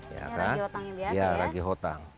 ya kan ragehotang